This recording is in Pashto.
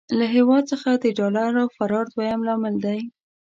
له هېواد څخه د ډالر فرار دويم لامل دی.